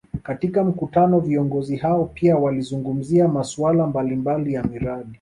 Katika mkutano viongozi hao pia walizungumzia masuala mbalimbali ya miradi